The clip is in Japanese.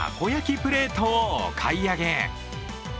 プレートをお買い上げ。